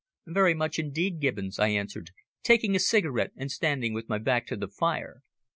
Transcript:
"Very much indeed, Gibbons," I answered, taking a cigarette and standing with my back to the fire.